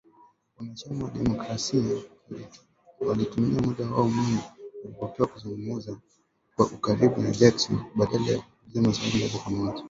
Wana Chama wa demokrasia walitumia muda wao mwingi waliopewa kuzungumza kwa ukaribu na Jackson, badala ya kuuliza maswali ya moja kwa moja .